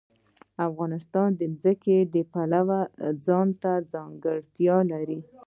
افغانستان د ځمکه د پلوه ځانته ځانګړتیا لري.